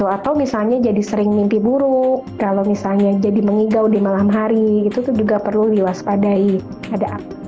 atau misalnya jadi sering mimpi buruk kalau misalnya jadi mengigau di malam hari itu juga perlu diwaspadai